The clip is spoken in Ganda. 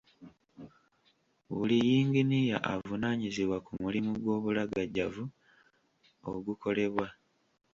Buli yinginiya avunaanyizibwa ku mulimu gw'obulagajjavu ogukolebwa.